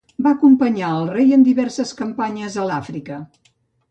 Va acompanyar el rei en diverses campanyes a l'Àfrica.